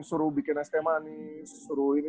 suruh bikin stmani suruh ini